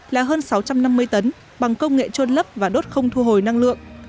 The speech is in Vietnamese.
là hơn sáu trăm năm mươi tấn bằng công nghệ trôn lấp và đốt không thu hồi năng lượng